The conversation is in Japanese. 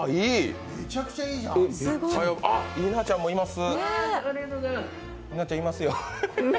あっ、稲ちゃんもいます。